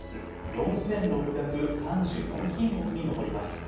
４６３４品目に上ります。